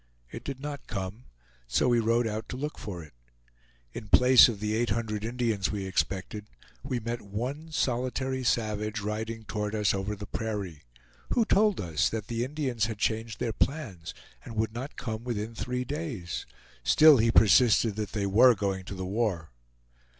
It did not come; so we rode out to look for it. In place of the eight hundred Indians we expected, we met one solitary savage riding toward us over the prairie, who told us that the Indians had changed their plans, and would not come within three days; still he persisted that they were going to the war.